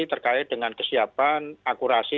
terkait dengan kesiapan akurasi